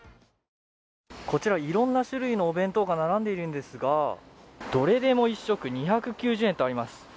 こちら、いろいろな種類のお弁当が並んでいるんですがどれでも１食２９０円とあります。